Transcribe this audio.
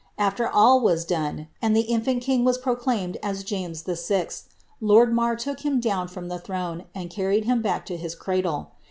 After all was done, and the infiint king was proclaimed as James VI., loid Marr took him down from the throne, and carried him back to his cradle.